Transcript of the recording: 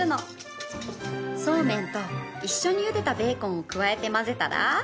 そうめんと一緒にゆでたベーコンを加えて混ぜたら。